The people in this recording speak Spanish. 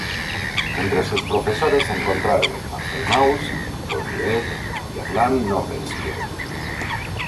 Entre sus profesores se encontraron Marcel Mauss, Paul Rivet, y Erland Nordenskiöld.